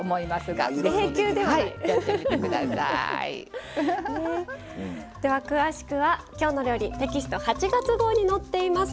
では詳しくは「きょうの料理」テキスト８月号に載っています。